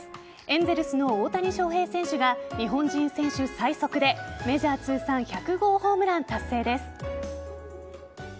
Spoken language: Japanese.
エンゼルスの大谷翔平選手が日本人選手最速でメジャー通算１００号ホームラン達成です。